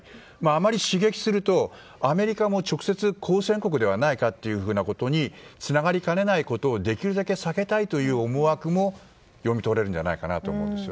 あまり刺激するとアメリカも直接交戦国ではないかとつながりかねないことをできるだけ避けたいという思惑も読み取れるんじゃないかと思います。